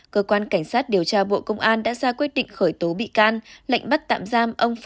cơ quan cảnh sát điều tra bộ công an đã ra quyết định khởi tố bị cao